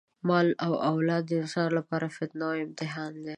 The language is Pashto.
مال او اولاد د انسان لپاره فتنه او امتحان دی.